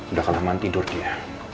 udah kalah mandi tidur dia